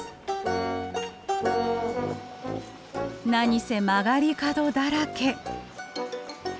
何せ曲がり角だらけ。